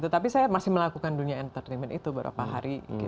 tapi saya masih melakukan dunia entertainment itu beberapa hari